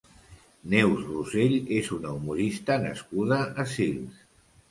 Neus Rossell és una humorista nascuda a Sils.